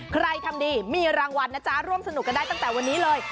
ใครทำดีมีรางวัลนะจ๊ะร่วมสนุกกันได้ตั้งแต่วันนี้เลย